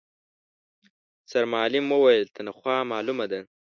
سرمعلم وويل، تنخوا مالومه ده.